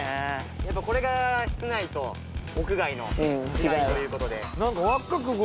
やっぱこれが室内と屋外の違いという事で。